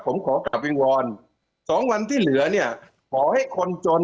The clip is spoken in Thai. ผมขอกลับวิงวอนสองวันที่เหลือเนี่ยขอให้คนจน